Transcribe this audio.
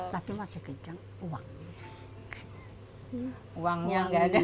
tapi masih kejang uangnya